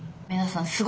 皆さん